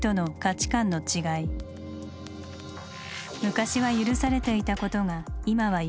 昔は許されていたことが今は許されない。